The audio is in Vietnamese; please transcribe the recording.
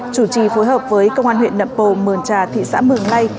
chủ trì phối hợp với công an huyện nậm pồ mường trà thị xã mường lây